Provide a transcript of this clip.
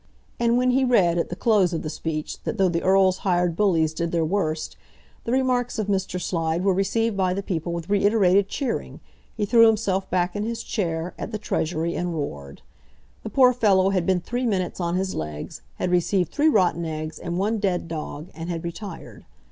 And when he read at the close of the speech that though the Earl's hired bullies did their worst, the remarks of Mr. Slide were received by the people with reiterated cheering, he threw himself back in his chair at the Treasury and roared. The poor fellow had been three minutes on his legs, had received three rotten eggs, and one dead dog, and had retired.